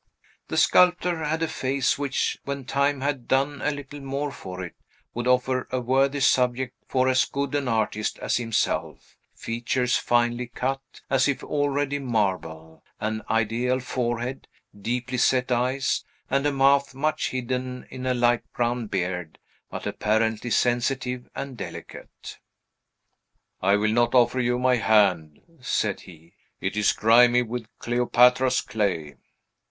The sculptor had a face which, when time had done a little more for it, would offer a worthy subject for as good an artist as himself: features finely cut, as if already marble; an ideal forehead, deeply set eyes, and a mouth much hidden in a light brown beard, but apparently sensitive and delicate. "I will not offer you my hand," said he; "it is grimy with Cleopatra's clay."